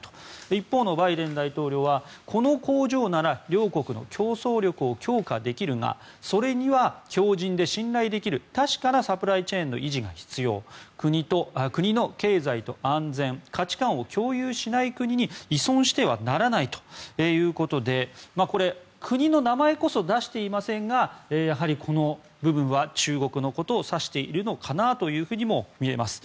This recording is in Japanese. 一方のバイデン大統領はこの工場なら両国の競争力を強化できるがそれには強じんで信頼できる確かなサプライチェーンの維持が必要国の経済と安全価値観を共有しない国に依存してはならないということでこれ、国の名前こそ出していませんがやはりこの部分は中国のことを指しているのかなとも見えます。